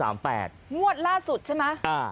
งวดล่าสุดใช่ไหม